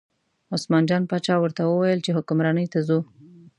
عثمان جان باچا ورته وویل چې حکمرانۍ ته ځو.